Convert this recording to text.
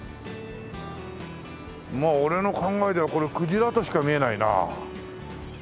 まあ俺の考えではこれクジラとしか見えないな。